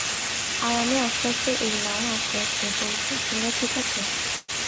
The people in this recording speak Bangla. আরামে আস্তে আস্তে এই নাও আস্তে আস্তে, বন্ধু মেয়েরা ঠিক আছে?